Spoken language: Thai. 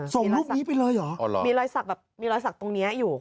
ส่งรูปนี้ไปเลยหรือคุณผู้ชมมีรอยสักอยู่